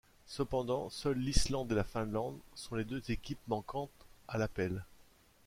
Cependant, seules l'Islande et la Finlande sont les deux équipes manquant à l'appel.